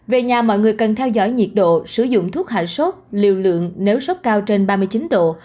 về nhà mọi người cần theo dõi nhiệt độ sử dụng thuốc hạ sốt liều lượng nếu sốc cao trên ba mươi chín độ